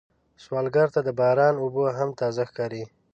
سوالګر ته د باران اوبه هم تازه ښکاري